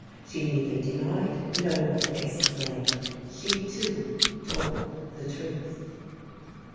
She neither denied nor exclaimed. She too told the truth.